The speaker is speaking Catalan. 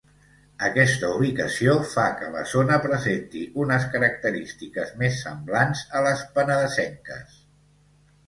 Aquesta ubicació fa que la zona presenti unes característiques més semblants a les penedesenques.